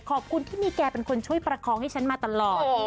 ขอบคุณที่มีแกเป็นคนช่วยประคองให้ฉันมาตลอด